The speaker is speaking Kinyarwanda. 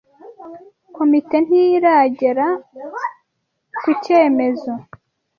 Komite ntiragera ku cyemezo